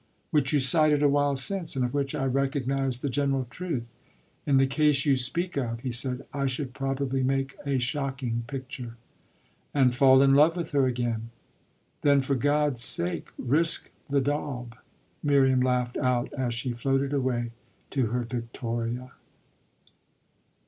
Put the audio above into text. "Which you cited a while since and of which I recognised the general truth. In the case you speak of," he said, "I should probably make a shocking picture." "And fall in love with her again? Then for God's sake risk the daub!" Miriam laughed out as she floated away to her victoria.